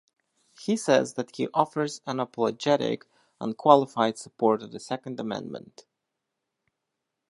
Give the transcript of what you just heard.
He says that he offers unapologetic, unqualified support of the Second Amendment.